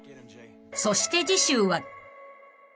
［そして次週は］